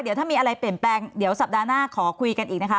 เดี๋ยวถ้ามีอะไรเปลี่ยนแปลงเดี๋ยวสัปดาห์หน้าขอคุยกันอีกนะคะ